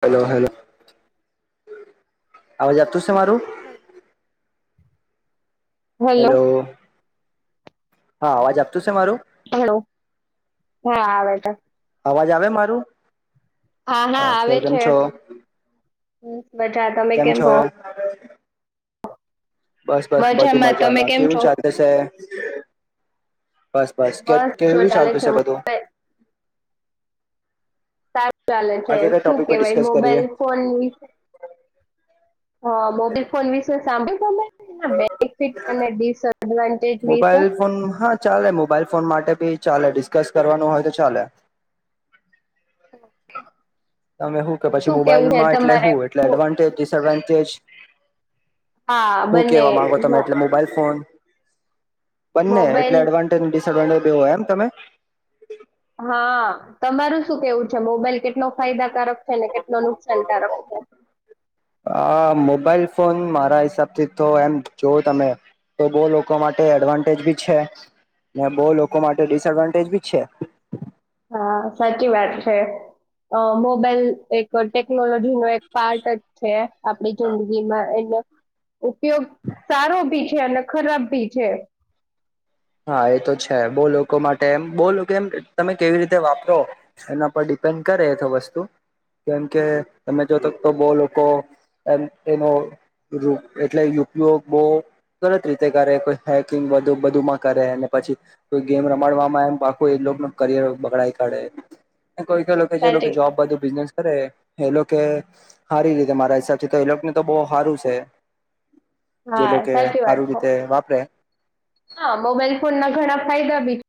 હાલો hello અવાજ આપતો છે મારું હલ- હેલો હા અવાજ આપતો છે મારું હલો હા આવે છે અવાજ આવે મારું હા હા કે આવે કેમ છે. છો હ બધા તમે કેમ હો બસ બસ બધું તમે મજામાં કેમ કેવું છો ચાલે છે. બસ બસ કે જો કેવી ચાલે ચાલતું છે બધું મોબાઈલ સારું ચાલે છે આજે કઈ શું ટોપિક પર કેવાય ડિસ્કસ કરીએ મોબાઈલ ફોન વિ હ મોબાઈલ ફોન વિશે સાંભ એના બેનિફિટ અને ડિસએડવાન્ટેજ વિસે મોબાઈલ ફોન હા ચાલે મોબાઈલ ફોન માટે ભી ચાલે ડિસ્કસ કરવાનું હોય તો ચાલે [inaudible] તમે હું કે પછી શું કેવું છે મોબાઈલમાં એટલે તમારે હું એટલે એડવાન્ટેજ ડિસએડવાન્ટેજ હા હું બંને કેવા માંગો મો તમે એટલે મોબાઈલ ફોન બંને મોબાઈલ એટલે એડવાન્ટેજ ડિસએડવાન્ટેજ એવો હોય એમ તમે હા તમારું શું કેવું છે મોબાઈલ કેટલો ફાયદાકારક છે ને કેટલો નુકસાનકારક છે આ મોબાઈલ ફોન મારા હિસાબથી તો એમ જોવ તમે તો બો લોકો માટે એડવાન્ટેજ બી છે બો લોકો માટે ડિસએડવાન્ટેજ બી છે. હા સાચી વાત છે મોબાઈલ એક ટેકનોલોજી નો એક પાર્ટ જ છે આપડી જિંદગીમાં એનો ઉપયોગ સારો ભી છે અને ખરાબ ભી છે. હા એ તો છે બહ લોકો માટે એમ બહ લોકો એમ તમે કેવી રીતે વાપરો એના પર ડિ ડિપેન્ડ કરે તો વસ્તુ કેમ કે તમે જોતો તો બહ લોકો એમ એનો એટલે ઉપયોગ બહુ ગલત રીતે કરે કોઈ હેકિંગુ બધું માં કરે પછી કો ગેમ રમાડવામાં એમ પાખું એ ન કરિયર બગડઈ કાઢે કોઈ કઈ જે લોકો સાચી જોબ બધું બિઝનેસ અરે એ લોકો હારી રીતે મારા હિસાબથી તો એ લોકોને તો બહ હારું છે જે હા લોકો સાચી વાત સારું છે રીતે વાપરે હા મોબાઈલ ફોન ના ઘણા ફાયદા બી છે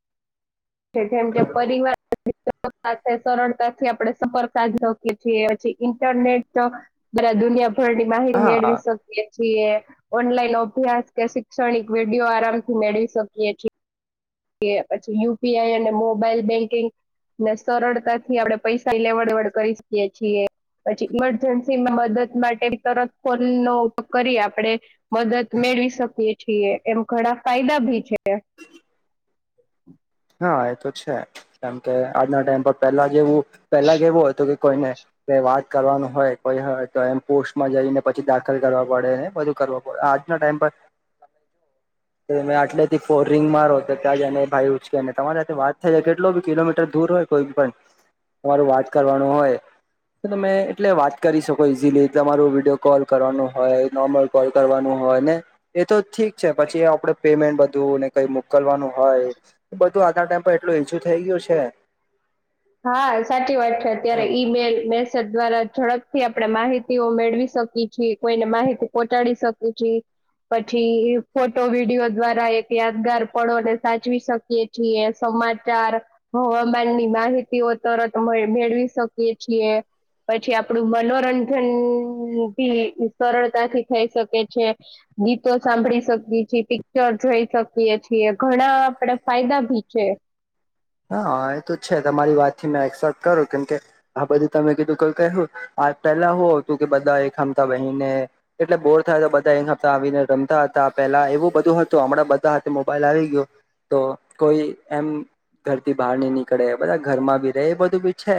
જેમ કે પરિવાર સરળતાથી આપડણે સફર્ સાકીએ છીએ પછી ઇન્ટરનેટ તો બરા દુનિયા થોડની માહી મેળવી હા શકીએ છીએ ઓનલાઈન અભ્યાસ કે શિક્ષણિક વિડીયો આરામથી મેળવી શકીએ છીએ. કે પછી યુપીઆઈ અને મોબાઈલ બેંકિંગ ને સરળતાથી આપણે પૈસા લેવડ-દેવડ કરી શકીએ છીએ. પછી ઈમરજન્સીમાં મદદ માટે તરત ફોનનો ઉપયોગ કરીએ આપડે મદદ મેળવી શકીએ છીએ, એમ ઘણા ફાયદા ભી છે. [unintelligible] હા, એ તો છે, કેમ કે આજના ટાઈમ પર પહેલા જેવું પહેલા કેવું હોય કે કોઈને વાત કરવાનું હોય કોઈ તો એમ પોસ્ટમાં જઈને પછી દાખલ કરવા પડે, બધું આજના ટાઈમ પર [unintelligible] મેં આટલે થી ફોરિંગ મારો તો ત્યાં જને ભાઈ, ઉંચકીને તમારી સાથે વાત થાય, કેટલો બી કિલોમીટર દૂર દૂર હોય કોઈ પણ, તમારું વાત કરવાનું હોય તો તમે એટલે વાત કરી શકો ઇઝીલી, તમારું વિડીયો કોલ કરવાનું હોય નોર્મલ કોલ કરવાનું હોય. હો ને, એ તો ઠીક છે. પછી એ આપડે પેમેન્ટ બધુ બું કંઈ મોકલવાનું હોય, બધું આજના ટાઈમ પર એટલું ઈઝિ થઈ ગયું છે હા, સાચી વાત છે. અત્યારે ઈમેલ મેસેજ દ્વારા ઝડપથી આપણે માહિતીઓ મેળવી શકી છીએ, કોઈને માહિતી પહોંચાડી શકી છી પછી ફોટો વિડીિયો દ્વારા એક યાદગાર પળો ને સાચવી શકીય છીએ. સમાચાર, હવામાનની માહિતીઓ તરત મેળવી શકી છીએ. પછી આપડું મનોરંજન ભી સરળતાથી થઈ શકે છે. ગીતો સાંભળી શકીએ છીએ, પિક્ચર જોઈ શકીએ છીએ, ઘણા આપડે ફાયદા ભી છે‌. [unintelligible] હા, એ તો છે. તમારી વાત થી મેં એક્સેપ્ટ કરું, કેમકે આ બધું તમે કીધું કોઈ કહ્યું. આ પહેલા હતું કે બધા એક હમણાં બને એટલે બોર થયા તો. બધા એક હતા આવીને રમતા હતા. પહેલા એવું બધું હતું, હમણાં બધા હાથે મોબાઈલ આવી ગયો તો, કોઈ એમ ઘર થી બહાર નઈ નીકળે, બધા ઘરમાં બી રહે. એ બધું બી છે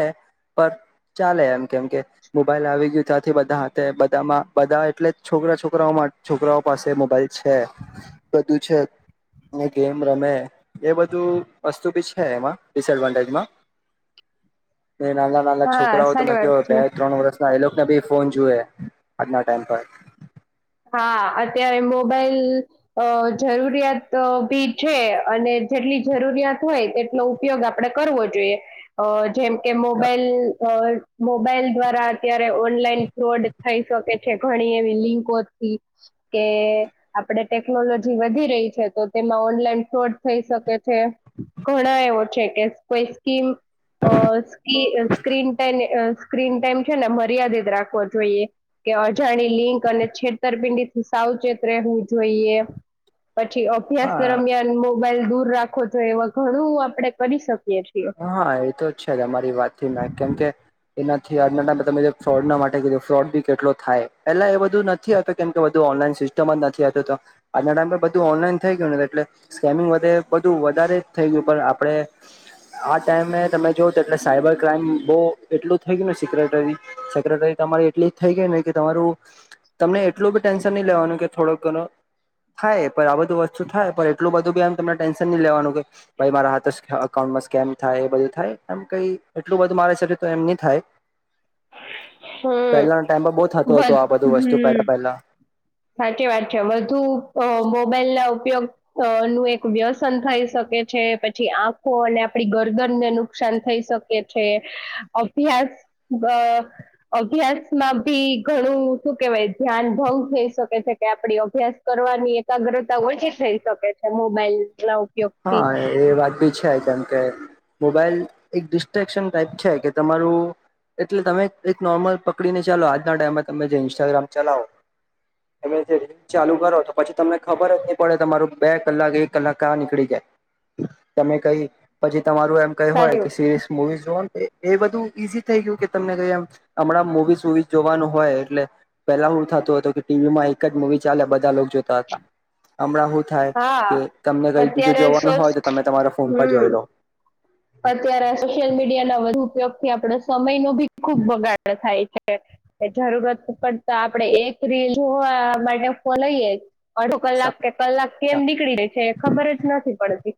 પણ ચાલે એમ કેમ કે મોબાઈલ આવી ગયું ત્યાંથી બધા હાથે બધામાં બધા એટલે જ છોરા છોકરાઓમાં છોકરાઓ પાસે મોબાઈલ છે બધું છે એમ રમે એ બધું. વસ્તુ બી છે એમાં ડિસએડવાન્ટેજમાં નાના-નાના હા છોકરાઓ તો, તમે સારી કહો વાત છે બે-ત્રણ વર્ષ એ લોકોને ભી ફોન જોએ, આજના ટાઈમ પર. હા, અત્યારે મોબાઈલ જરૂરિયાત ભી છે અને જેટલી જરૂરિયાત હોય, તેટલો ઉપયોગ આપણે કરવો જોઈએ. જેમ કે મોબાઈલ અ મોબાઈલ દ્વારા અત્યારે ઓનલાઈન ફ્રોડ થઈ શકે છે. ઘણી એવી લિંકોથી કે આપણે ટેકનોલોજી વધી રહી છે, તો તેમાં ઓનલાઈન ફ્રોડ થઈ શકે. થઈ શકે છે. ઘણા એવો છે કે, કોઈ સ્કીમ અ સ્કી સ્ક્રીન ટાઈમ. સ્ક્રીન ટાઈમ છે ને, મર્યાદિત રાખવો જોઈએ કે, અજાણી લિંક અને છે. ઉત્તરપિંડી થી સાવચેત રહેવું જોઈએ, પછી અભ્યાસ હા દરમિયાન મોબાઈલ દૂર રાખો જોઈ, એવા ઘણું આપડે કરી શકે. હ હા, એતો જ છે. અમારી વાતથી મે કેમ કે. એનાથી આજના ટાઈમ માં તમે ફ્રોડ ના માટે ફ્રોડ બી કેટલો થાય. પહેલા એ બધું નથી આવતુ, કેમ કે બધું ઓનલાઈન સિસ્ટમ જ નથી આવતો, તો આજના ટાઈમ બધું ઓનલાઇન. થઈ ગયું. એટલે સ્કેમિંગ બધું વધારે જ થઈ ગયું પણ આપડે. આ ટાઈમે તમે જોવ તો એટલે સાયબર ક્રાઈમ બહુ એટલું થઈ ગયુંને સેક્રેટરી સેક્રેટરી ત. એટલી થઈ ગઈ ને કે, તમારું તમને એટલું બી ટેન્શન નહીં લેવાનું કે, થોડોક ઘણુ થાય, પણ આ બધું વસ્તુ થાય, પણ એટલું બધું ભી એમ તમને ટેન્શન નહીં લેવાનું કે. ભાઈ મારા હાથે અકાઉન્ટમાં કેમ થાય, એ બધું થાય, એમ કઈ એટલું બધું મારા હબ તો એમ નહી થાય. હમ પહેલાના ટાઈમમાં બઉ થાતું હતું. આ બધું વસ્તુ હમ પહેલા-પહેલા. સાચી વાત છે. વધુ અ મોબાઈલ ઉપયોગ નું એક વ્યસન થઈ શકે છે. પછી આંખો અને આપડી ગરદન ને નુકસાન થઈ શકે છે. અભ્યાસ બઅ અભ્યાસમાં ભી ઘણું શું કેવાય ધ્યાન ભંગ થઈ શકે છે કે આપડી અભ્યાસ કરવાની એકાગ્રતા ઓછી થઈ શકે છે. મોબાઈલના ઉપ હા, એ વાત બી છે કેમ કે મોબાઈલ એક ડિસ્ટેક્શન ટાઈપ છે કે તમારું એટલે તમે એક નોર્મલ પકડીને ચાલો આજના ટાઈમમાં તમે જે ઇન્સ્ટાગ્રામ ચલાવો હવે [unintelligible] રીલ ચાલુ કરો તો પછી તમને ખબર જ નઈ પડે તમારું બે કલાક, એક કલાક કાં નીકળી તમે કઈ પછી તમારું એમ કઈ હોય સારી કે વાત. સિરીસ મુવીસ એ એ બધું ઈઝી થઈ ગયું કે તમને કઈ આમ અમણાં મુવીઝ-સુવીઝ જોવાનું હોય એટલે પેલા બઉ થાતું હતું કે ટીવીમાં એક જ મુવી ચાલે બધા લોક જોતા હતા. હમણાં થાય કે હા તમને કઈ બીજું અત્યારે જોવાનું સોસ, હોય તો તમે તમારા ફોન પર જોઈ હમ. લો અત્યારે સોશિયલ મીડિયા ના વધુ ઉપયોગ થી આપડે સમયનો ભી ખુબ બગાડ થાય છે. જરૂરત કરતા આપડે એક રીલ જોવા માટે ફોન લઈએે અધો કલાક કે કલાક કેમ નીકળી રે છે એ ખબર જ નથી પડતી.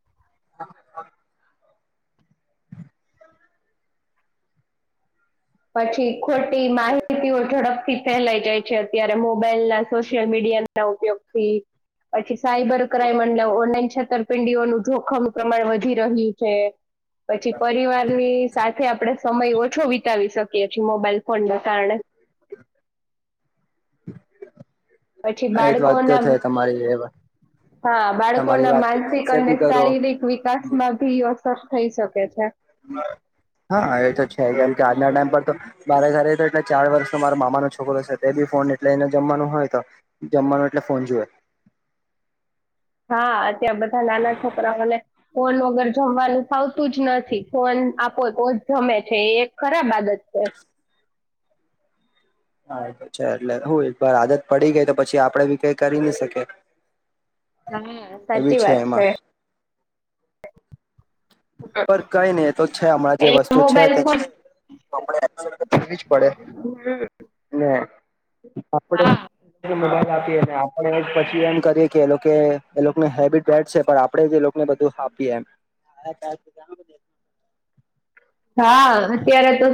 પછી ખોટી માહિતીઓ ઝડપ થી ફેલાઈ જાય છે, અત્યારે મોબાઈલના સોશિયલ મીડિયાના ઉપયોગથી. પછી સાયબર ક્રાઈમ એટલે ઓનલાઈન છેતરપિંડીઓનું જોખમ પ્રમાણ વધી રહ્યું છે. પછી પરિવારની સાથે આપડે સમય ઓછો વિતાવી શકીએ છે. મોબાઈલ ફોનના કારણે પછી એ જ વાત બાળકોના તો છે તમારી એ હા, તમારી બાળકોના વાત માનસિક એક્સેપ્ટ અને બી કરો શારીરિક વિકાસમાં ભી અસર થઈ શકે છે. [inaudible] હા, એ તો છે. કેમ કે આજના ટાઈમ પર તો મારે ઘરે તો એટલે ચાર વર્ષનો મારો મામાનો છોકરો છે તે બી ફોન એટલે એને જમવાનું હોય તો જમવાનું એટલે ફોન જોએ. [inaudible] હા, અત્યાર બધા નાના છોકરાઓને ફોન વગર જમવાનું ફાવતું જ નથી. ફોન આપો તો જ જમે છે. એ એક ખરાબ આદત છે. હા, એતો છે. એટલે હું એકવાર આદત પડી ગઈ તો પછી આપડે બી કઈ કરી ની શકે. હન, એવી સાચી વાત છે. એમાં પણ કઈ નઈ એ તો છે હમણાં જે એ વસ્તુ છે તે મોબાઈલ છે. ફોન વીજ પડે હમ, ને આપડે હા મોબાઈલ આપીએ આપણે પછી એમ કરીએ કે એ એ લોકોને હેબિટ બેઠ છે પણ આપણેે એ લોકો ને બધું હાપી એમ [inaudible] હા અત્યારે તો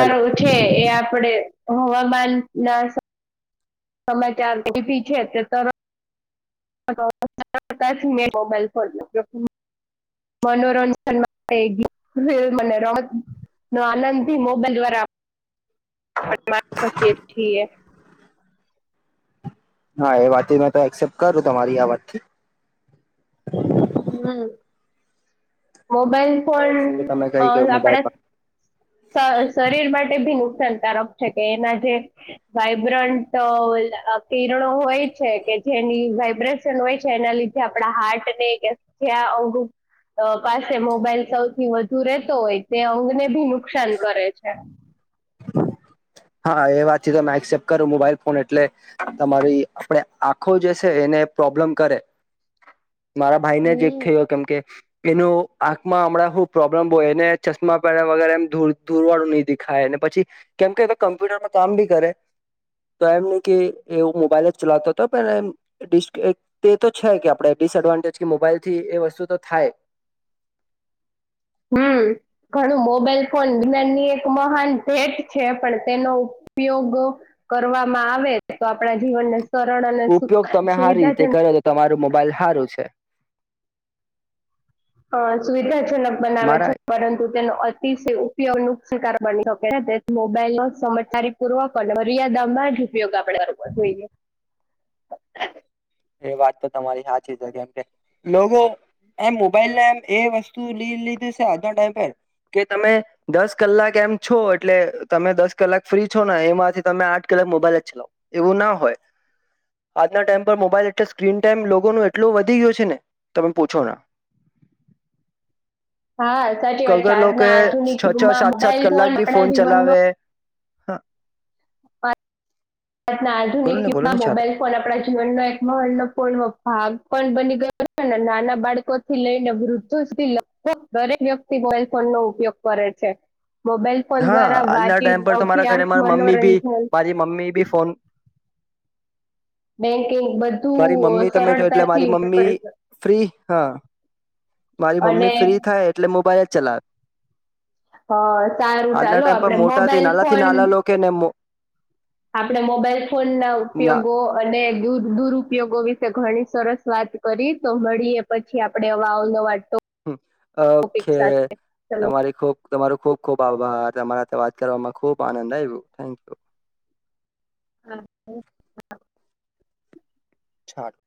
હેલો [unintelligible] છે એ આપડે હવામાન ના સમાચાર લેતી છે તે તર [inaudible] મનોરંજનમાં માં [unintelligible] રમત ન આનંદથી મોબાઈલ વરા આપરી [unintelligible] શફ છીએ હા એ વાત મેં તો એક્સેપ્ટ કરું તમારી આ વાતથી હમ્મ. મોબાઈલ પણ કે તમે અ કઈ કે આપણા મોબાઈલ શરીર માટે ભી નુકસાનકારક છે કે એના જે વાઈબ્રન્ટ કિરણો હોય છે કે જેની વાયબ્રેશન હોય છે એના લીધે આપણા હાર્ટ ને કે જે અંગ પાસે મોબાઈલ સૌથી વધુ રેતો હોય તે અંગને ભી નુક નુકસાન કરે છે. હા એ વાત થી તો મે એક્સેપ્ટ કરું મોબાઈલ ફોન એટલે તમારી આપણે આખો જે છે એને પ્રોબ્લેમ કરે [inaudible] મારા ભાઈ ને જ એક હમ. થયો કેમ કે એનું આંખમાં હમણાં શું પ્રોબ્લેમ હોય એને ચશ્મા પહે વગરે એમ દુરવાળું નહીં દેખાય પછી કેમ કે એ તો કમ્પ્યુટરમાં કામ બી કરે તો એમ ન કે એવું મોબાઈલ જ ચલાવતો હતો પણ એ તે તો છે કે આપડે, ડિસએડવાન્ટેજ કે મોબાઈલ થી એ વસ્તુ તો થાય [inaudible] હમ્મ ઘણું મોબાઈલ ફોન વિજ્ઞાનની એક મહાન ભેટ છે. પણ તેનો ઉપયોગ કરવામાં આવે તો આપણા જીવનને સરલ અને ઉપયોગ તમે સારી રીતે સુવિધાજનક કરો તો તમારું મોબાઈલ સારું છે સુવિધાજનક બનાવે છે મારા પરંતુ તેનો અતિ ઉપયોગ ન શિકાર [unintelligible] બની શકે છે મોબાઈલ ન સમારી પૂર્વક અને મરિયાદિત [inaudible] જ ઉપયોગ આપડે બરોબર જોઈએ એ વાત તો તમારી સાચી જ કેમ કે લોકો એમ મોબાઈલને એમ એ વસ્તુ લઈ લીધી છે. આજનો ટાઈમ પરે કે તમે દસ કલાક એમ છો એટલે તમે દસ કલાક ફ્રી છો ને એમાંથી તમે આઠ કલાક મોબાઈલ એવું ના હોય આજના ટાઈમ પર મોબાઈલ એ સ્ક્રીન ટાઈમ લોકો ન એટલોું વધી ગયો છે ને તમે પૂછો ના. [inaudible] હા સાચી વાત છે. અગર લોકો આજના આધુનિક છ છ ગમાં સાત સાત મોબાઈલ કલાક ફોન બી આપણા ફોનનો ચલાવે હા. [inaudible] ત ના બોલો આધુનિક ને બોલો યુગમાં ની છા મોબાઈલ ફોન આપણા જીવનનો એક મહનોપૂર્ણ ભાગ બની ગયો નાના બાળકો થી લઈને વૃદ્ધો સુધી લગભગ દરેક વ્યક્તિ મોબાઈલ ફોન ઉપયોગ કરે છે. મોબાઈલ ફોન હા દ્વારા આજના ટાઈમ વાચીત પર અભ્યાસ મનોરંજન મે બી ફોન. બેંકિંગ મારી મમ્મી બધું તમે જો એટલે સરળતાથી મારી ઉપયોગ મમ્મી કરી શકે ફ્રી. હા મારી અને મમ્મી ફ્રી થાય એટલે મોબાઈલ જ ચલાવે હ સારું આજના ચાલો ટાઈમ પર આપડે મોટાથી મોબાઈલ નાનાથી ફોન. નાના લોકોને આપણે મોબાઈલ ફોન ના ઉપયોગો અને દૂર દુરુપયોગો વિશે ઘણી સરસ વાત કરી. તો મળીએ પછી આપડે અવા અવનવા હમ, ટોપિક ઓકે. સાથે ચલો તમારી ખુબ તમારુ ખુબ ખુબ આભાર. તમારા હાથે વાત કરવામાં ખુબ આનંદ આયવુ. Thank you. હા [unintelligible] છાટ [unintelligible]